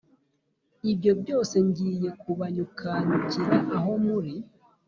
ibyo byose ngiye kubanyukanyukira aho muri,